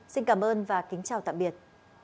xin cảm ơn và kính chào tạm biệt